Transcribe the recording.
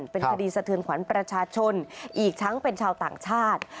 เป็นคดีสะเทือนขวัญประชาชนอีกทั้งเป็นชาวต่างชาติ